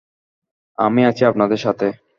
আমি আছি আপনাদের সাথে।